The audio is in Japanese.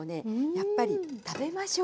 やっぱり食べましょう。